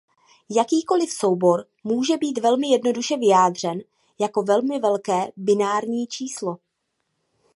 Jakýkoliv soubor může být velmi jednoduše vyjádřen jako velmi velké binární číslo.